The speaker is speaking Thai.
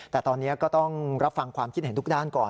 แต่ตอนนี้ก็ต้องรับฟังความคิดเห็นทุกด้านก่อน